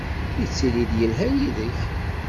Yettili-d yelha yid-k?